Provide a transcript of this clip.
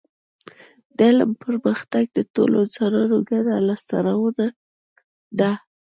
د علم پرمختګ د ټولو انسانانو ګډه لاسته راوړنه ده